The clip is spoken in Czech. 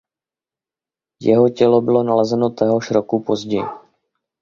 Jeho tělo bylo nalezeno téhož roku později.